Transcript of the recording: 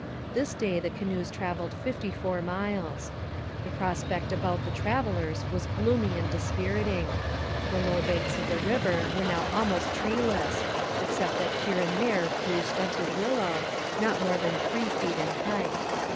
This day the canoes travelled fifty four miles. The prospect about the travellers was gloomy and dispiriting. The low banks of the river were now almost treeless, except that here and there grew stunted willow, not more than three feet in height.